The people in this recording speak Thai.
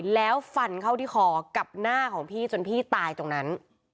แล้วฟันเข้าที่คอกับหน้าของพี่จนพี่ตายตรงนั้น